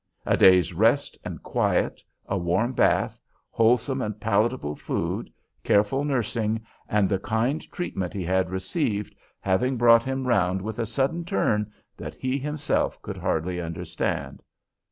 a day's rest and quiet, a warm bath, wholesome and palatable food, careful nursing, and the kind treatment he had received having brought him round with a sudden turn that he himself could hardly understand.